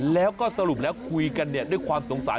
และคุยกันด้วยความสงสาร